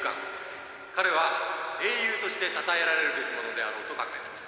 彼は英雄としてたたえられるべきものであろうと考えています」